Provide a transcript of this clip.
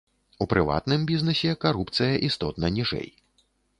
У прыватным бізнэсе карупцыя істотна ніжэй.